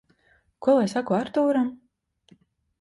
Ko lai saku Artūram?